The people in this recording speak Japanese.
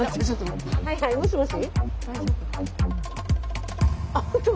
はいはいもしもし？